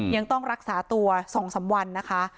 ยังต้องรักษาตัว๒๓วันนะคะ